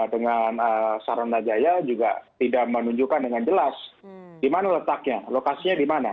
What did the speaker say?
dengan saranajaya juga tidak menunjukkan dengan jelas di mana letaknya lokasinya di mana